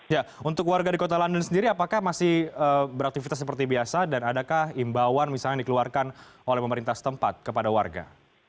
ya untuk warga di kota london sendiri apakah masih beraktivitas seperti biasa dan adakah imbauan misalnya dikeluarkan oleh pemerintah setempat kepada warga